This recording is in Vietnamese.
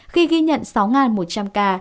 khi ghi nhận sáu một trăm linh ca